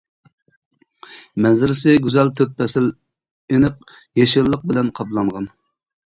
مەنزىرىسى گۈزەل، تۆت پەسىل ئېنىق، يېشىللىق بىلەن قاپلانغان.